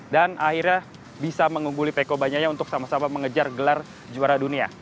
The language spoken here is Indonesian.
dan akhirnya bisa mengungguli peko banyaya untuk sama sama mengejar gelar juara dunia